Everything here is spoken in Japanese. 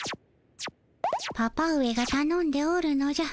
パパ上がたのんでおるのじゃ。